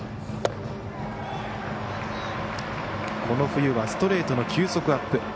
この冬はストレートの球速アップ。